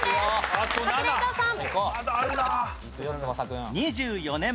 カズレーザーさん。